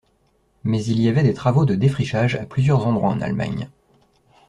Mais il y avait des travaux de défrichage à plusieurs endroits en Allemagne.